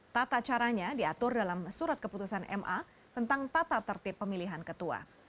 tata caranya diatur dalam surat keputusan ma tentang tata tertib pemilihan ketua